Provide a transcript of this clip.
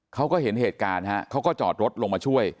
เขาก็เห็นเหตุการณ์ฮะเขาก็จอดรถลงมาช่วย